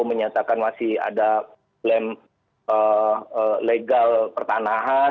bahkan masih ada problem legal pertanahan